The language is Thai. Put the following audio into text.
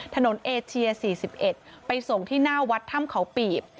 เอเชีย๔๑ไปส่งที่หน้าวัดถ้ำเขาปีบ